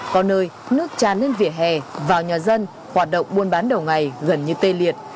có nơi nước tràn lên vỉa hè vào nhà dân hoạt động buôn bán đầu ngày gần như tê liệt